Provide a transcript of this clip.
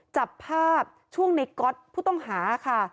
จับภาพช่วงในก๊อตผู้ต้องหาค่ะ